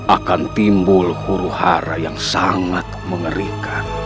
akan timbul huru hara yang sangat mengerikan